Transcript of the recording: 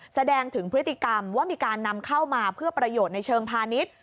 แสดงถึงพฤติกรรมว่ามีการนำเข้ามาเพื่อประโยชน์ในเชิงพาณิชย์